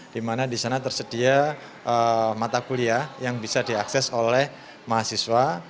di mana di sana tersedia mata kuliah yang bisa diakses oleh mahasiswa